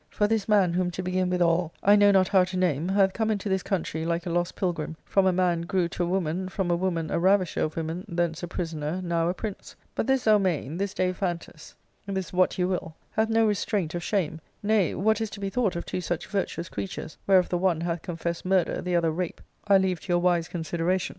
For this man, whom to begin withal I know not how to name, hath come into this country like a lost pilgrim, from a man grew to a woman, from a woman a ravisher of women, thence a prisoner, now a prince. But this Zelmane, this Dai'phantus, this what you will, hath no restraint of shame. Nay, what is to be thought of two such virtuous creatures, whereof the one hath confessed murder, the other rape, I leave to your wise consideration.